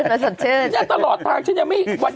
อย่างนี้ตลอดทางจะยังไม่